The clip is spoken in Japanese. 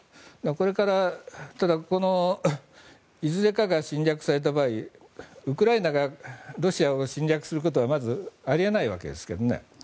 これからいずれかが侵略された場合ウクライナがロシアを侵略することはまずあり得ないわけですけどね。